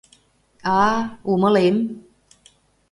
— А-а, умылем...